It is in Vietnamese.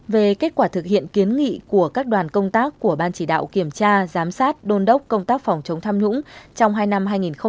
về kết quả thực hiện kiến nghị của các đoàn công tác của ban chỉ đạo kiểm tra giám sát đôn đốc công tác phòng chống tham nhũng trong hai năm hai nghìn một mươi ba hai nghìn một mươi bốn